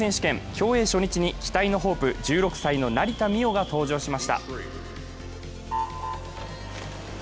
競泳初日に期待のホープ、１６歳の成田実生が登場しました。